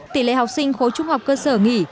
tỷ lệ học sinh khối trung học cơ sở nghỉ